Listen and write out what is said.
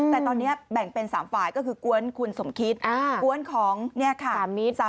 แต่ตอนนี้แบ่งเป็น๓ฝ่ายก็คือกวนคุณสมคิดกวนของเนี่ยค่ะ